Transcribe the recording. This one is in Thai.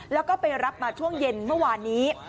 แล้วก็ไปรับมาช่วงเย็นเมื่อวานนี้